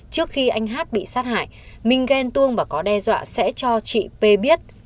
trước khi anh hát bị sát hại minh ghen tuông và có đe dọa sẽ cho chị p biết